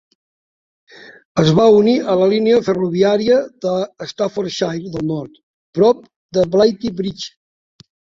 Es va unir a la línia ferroviària de Staffordshire del Nord prop de Blythe Bridge.